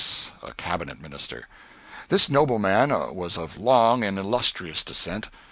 a cabinet minister. This nobleman was of long and illustrious descent.